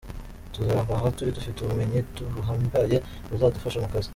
Tuzava aha turi dufite ubumenyi buhambaye buzadufasha mu kazi.